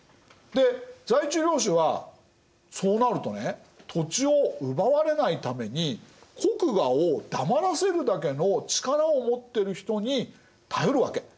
で在地領主はそうなるとね土地を奪われないために国衙を黙らせるだけの力を持ってる人に頼るわけ。